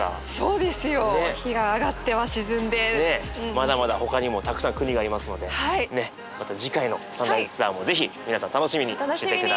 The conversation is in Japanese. まだまだほかにもたくさん国がありますのでまた次回のサンライズツアーもぜひ皆さん楽しみにしてて下さい。